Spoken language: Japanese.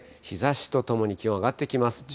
日ざしとともに気温、上がってきます。